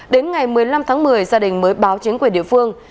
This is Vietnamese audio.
đến ngày một mươi năm tháng một mươi gia đình mới báo chính quyền địa phương